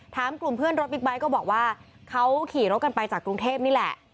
ถามกลุ่มเพื่อนรถบิ๊กไบท์ก็บอกว่าเขาขี่รถกันไปจากกรุงเทพนี่แหละ